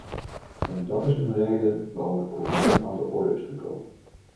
En dat is een reden waarom het probleem aan de orde is gekomen.